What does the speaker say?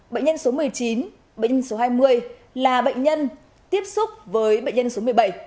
bệnh nhân số một mươi chín bệnh nhân số hai mươi là bệnh nhân tiếp xúc với bệnh nhân số một mươi bảy